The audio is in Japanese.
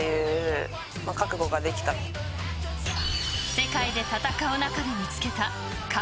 ［世界で戦う中で見つけた］